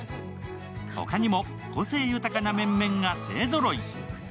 ほかにも個性豊かな面々が勢ぞろい。